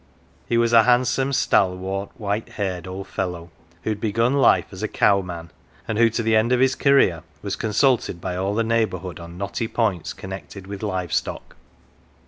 He was a handsome, stalwart, white haired old fellow, who had begun life as a cow man, and who to the end of his career was con sulted by all the neigh Ixjurhood on knotty points connected with live stock.